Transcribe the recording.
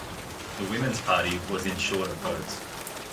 The Women's Party was in short of votes.